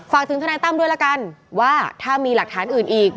ถึงทนายตั้มด้วยละกันว่าถ้ามีหลักฐานอื่นอีก